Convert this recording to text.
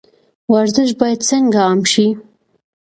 ورزش باید څنګه عام شي؟